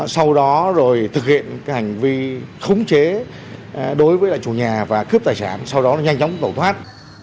sau đó rồi thực hiện hành vi khống chế đối với lại chủ nhà và cướp tài sản sau đó nhanh chóng tẩu thoát